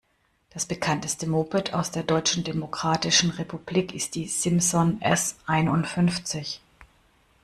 Das bekannteste Moped aus der Deutschen Demokratischen Republik ist die Simson S einundfünfzig.